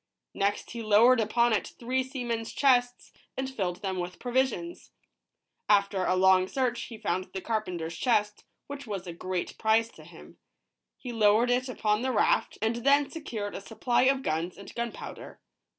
Next he lowered upon it three seamen's chests, and filled them with provisions. After a long search he found the carpenters chest, which was a great prize to him. He lowered it upon the raft, and then secured a supply of guns and gunpowder.